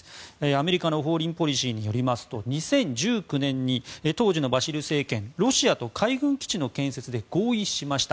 アメリカの「フォーリン・ポリシー」によりますと２０１９年に、当時のバシル政権ロシアと海軍基地の建設で合意しました。